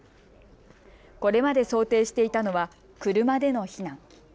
これまで想定していたのは車での避難。